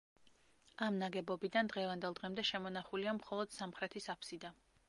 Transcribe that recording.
ამ ნაგებობიდან დღევანდელ დღემდე შემონახულია მხოლოდ სამხრეთის აფსიდა.